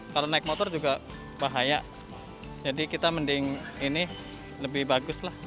kalau naik motor juga bahaya jadi kita mending ini lebih bagus lah